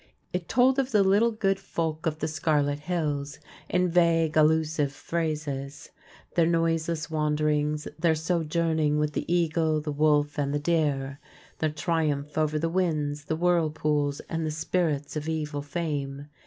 It told of the little good Folk of the Scarlet Hills, in vague allusive phrases : their noiseless wanderings ; their sojourning with the eagle, the v/olf, and the deer; their triumph over the winds, the whirlpools, and the spirits of evil fame.